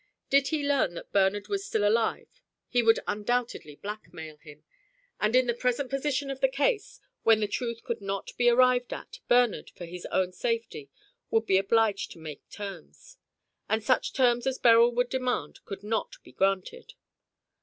Did he learn that Bernard was still alive he would undoubtedly blackmail him. And in the present position of the case, when the truth could not be arrived at, Bernard, for his own safety, would be obliged to make terms. And such terms as Beryl would demand could not be granted.